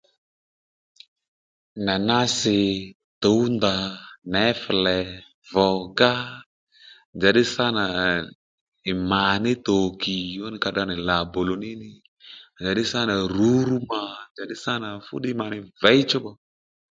Nànásì, tǔwndà, něflè, vùgá njàddí sâ nà ndèy mà ní tòkì fúni ka tdra nì làbòlò ní nì njàddí sâ nà rǔrú mà njàddí sâ nà fúddiy mà nì věy chú bǎ